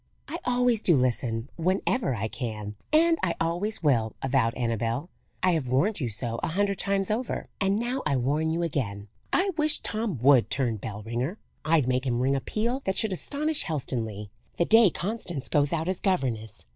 "I always do listen whenever I can, and I always will," avowed Annabel. "I have warned you so a hundred times over, and now I warn you again. I wish Tom would turn bell ringer! I'd make him ring a peal that should astonish Helstonleigh, the day Constance goes out as governess.